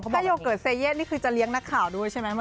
ถ้าโยเกิร์ตเซเย่นนี่คือจะเลี้ยงนักข่าวด้วยใช่ไหม